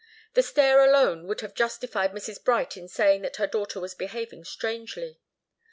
That stare alone would have justified Mrs. Bright in saying that her daughter was behaving strangely.